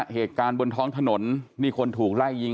เหตุการณ์บนท้องถนนมีคนถูกไล่ยิง